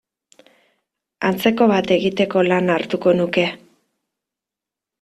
Antzeko bat egiteko lana hartuko nuke.